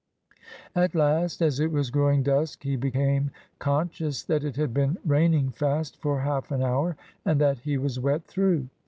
At last, as it was growing dusk, he became conscious that it had been raining fast for half an hour, and that he was wet through.